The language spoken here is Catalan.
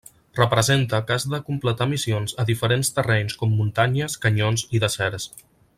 Representa què has de completar missions a diferents terrenys com muntanyes, canyons, i deserts.